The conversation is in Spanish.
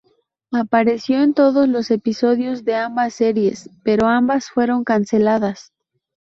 Apareció en todos los episodios de ambas series, pero ambas fueron canceladas.